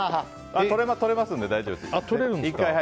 取れますので大丈夫です。